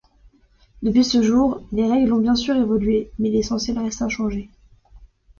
Depuis ce jour les règles ont bien sûr évoluées, mais l’essentiel reste inchangé.